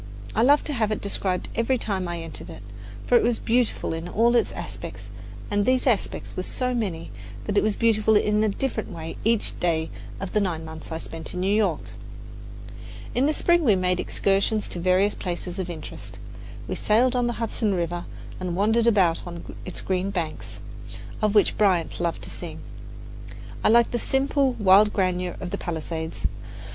I loved to have it described every time I entered it; for it was beautiful in all its aspects, and these aspects were so many that it was beautiful in a different way each day of the nine months I spent in New York. In the spring we made excursions to various places of interest. We sailed on the Hudson River and wandered about on its green banks, of which Bryant loved to sing. I liked the simple, wild grandeur of the palisades.